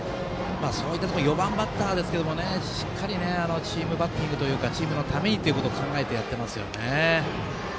４番バッターですが、しっかりチームバッティングというかチームのためにということを考えてやっていますね。